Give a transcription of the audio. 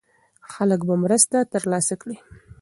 خلک به مرسته ترلاسه کړي.